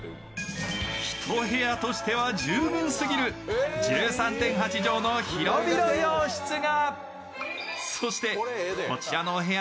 １部屋としては十分すぎる１３．８畳の広々洋室が。